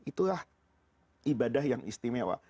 itulah ibadah yang istimewa